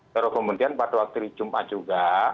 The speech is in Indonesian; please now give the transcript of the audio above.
baru kemudian pada waktu di jumat juga